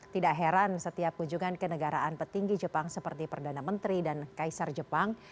tidak heran setiap kunjungan ke negaraan petinggi jepang seperti perdana menteri dan kaisar jepang